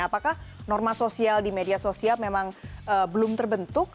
apakah norma sosial di media sosial memang belum terbentuk